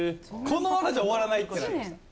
このままじゃ終わらないってなりました。